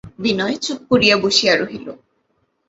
বিনয় চুপ করিয়া বসিয়া রহিল।